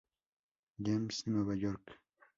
James, Nueva York.